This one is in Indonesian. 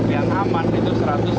yang aman itu satu ratus enam puluh